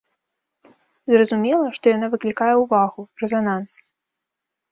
Зразумела, што яна выклікае ўвагу, рэзананс.